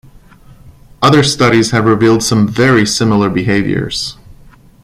Other studies have revealed some very similar behaviors.